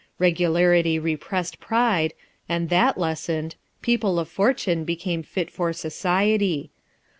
Regularity repressed pride, and that lessened, people of fortune became fit for society.